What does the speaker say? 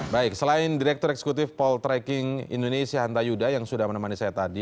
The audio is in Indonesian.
baik selain direktur eksekutif poltreking indonesia hanta yuda yang sudah menemani saya tadi